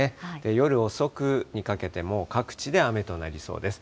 夜遅くにかけても、各地で雨となりそうです。